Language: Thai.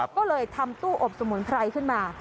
ก็เลยทำตู้อบสมุนไพรขึ้นมา